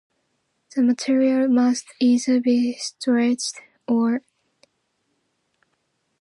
The material must either be stretched or annealed to obtain the piezoelectric beta phase.